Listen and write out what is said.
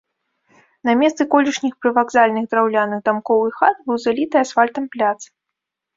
На месцы колішніх прывакзальных драўляных дамкоў і хат быў заліты асфальтам пляц.